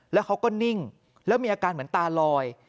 แล้วเขาก็นิ่งแล้วมีอาการเหมือนตาลอย